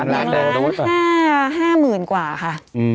๑ล้าน๕หมื่นกว่าค่ะ